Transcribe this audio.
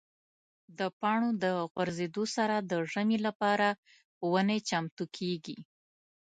د پاڼو د غورځېدو سره د ژمي لپاره ونې چمتو کېږي.